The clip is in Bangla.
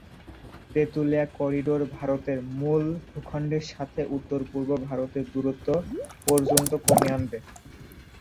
তেতুলিয়া করিডোর ভারতের মূল ভূখণ্ডের সাথে উত্তর-পূর্ব ভারতের দূরত্ব পর্যন্ত কমিয়ে আনবে।